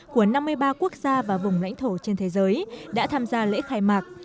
của năm mươi ba quốc gia và vùng lãnh thổ trên thế giới đã tham gia lễ khai mạc